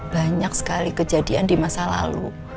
banyak sekali kejadian di masa lalu